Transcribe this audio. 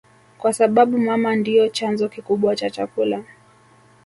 kwasababu mama ndio chanzo kikubwa cha chakula